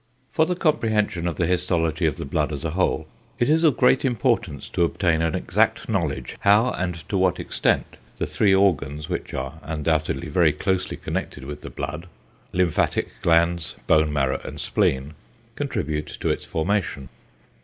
For the comprehension of the histology of the blood as a whole, it is of great importance to obtain an exact knowledge how and to what extent the three organs, which are undoubtedly very closely connected with the blood, lymphatic glands, bone marrow, and spleen, contribute to its formation.